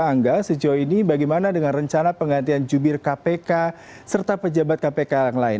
angga sejauh ini bagaimana dengan rencana penggantian jubir kpk serta pejabat kpk yang lain